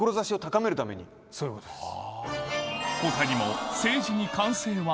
そういうことです。